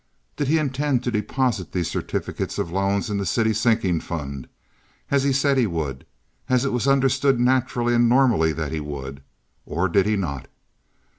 Did he intend to deposit these certificates of loans in the city sinking fund, as he said he would—as it was understood naturally and normally that he would—or did he not?